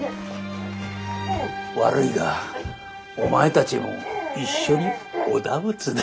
悪いがお前たちも一緒にお陀仏だ。